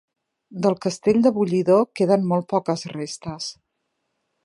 Del castell de Bullidor queden molt poques restes.